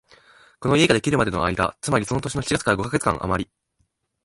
この家ができるまでの間、つまりその年の七月から五カ月間あまり、